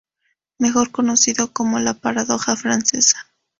Mejor conocido como "la paradoja francesa".